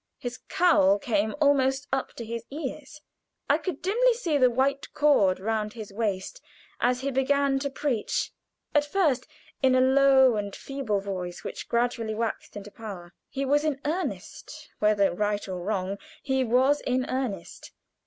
His cowl came almost up to his ears. I could dimly see the white cord round his waist as he began to preach, at first in a low and feeble voice, which gradually waxed into power. He was in earnest whether right or wrong, he was in earnest.